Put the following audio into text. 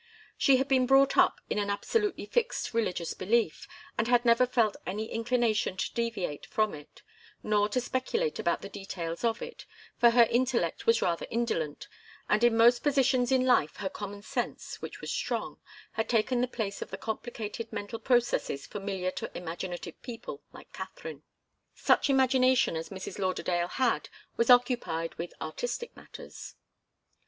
She had been brought up in an absolutely fixed religious belief, and had never felt any inclination to deviate from it, nor to speculate about the details of it, for her intellect was rather indolent, and in most positions in life her common sense, which was strong, had taken the place of the complicated mental processes familiar to imaginative people like Katharine. Such imagination as Mrs. Lauderdale had was occupied with artistic matters.